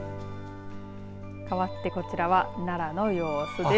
かわってこちらは奈良の様子です。